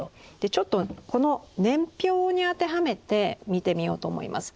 ちょっとこの年表に当てはめて見てみようと思います。